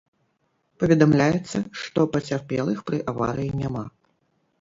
Паведамляецца, што пацярпелых пры аварыі няма.